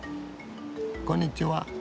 こんにちは。